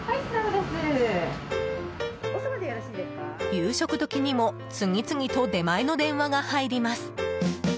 夕食時にも次々と出前の電話が入ります。